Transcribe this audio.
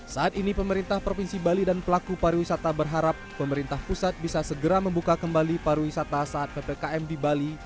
saat ini pemerintah provinsi bali dan pelaku pariwisata berharap pemerintah pusat bisa segera membuka kembali pariwisata saat ppkm di bali